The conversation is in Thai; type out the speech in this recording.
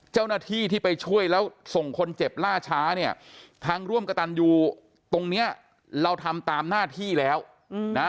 เจ้าหน้าที่ที่ไปช่วยแล้วส่งคนเจ็บล่าช้าเนี่ยทางร่วมกระตันอยู่ตรงเนี้ยเราทำตามหน้าที่แล้วนะ